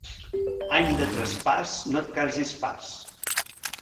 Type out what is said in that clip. Any de traspàs, no et casis pas.